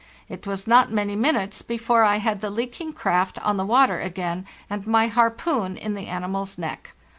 It was not many minutes before I had the leaking craft on the water again, and my harpoon in the animal's neck.